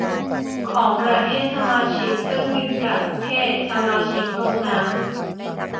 ของประเทศสมาชิกซึ่งมีประเทศสมาชิกลงนาม